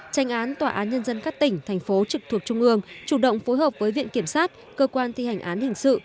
tranh án tòa án nhân dân các tỉnh thành phố trực thuộc trung ương chủ động phối hợp với viện kiểm sát cơ quan thi hành án hình sự